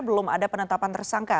belum ada penetapan tersangka